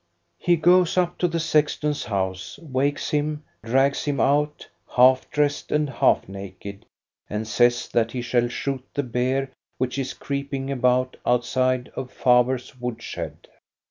He goes up to the sexton's house, wakes him, drags him out, half dressed and half naked, and says that he shall shoot the bear which is creeping about out side of Faber's woodshed.